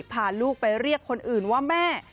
พาลูกไปเรียกคนอื่นว่าแม่